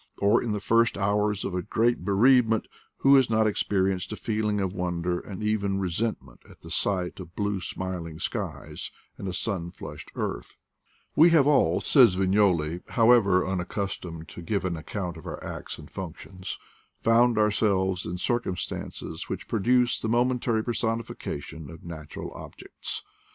Or, in the first hours of a great bereavement, who has not experienced a feeling of wonder and even resentment at the sight of blue smiling skies and a sun flushed earth f "We have all," says Vignoli, "however unac customed to give an account of our acts and func tions, found ourselves in circumstances which pro duced the momentary personification of natural objects.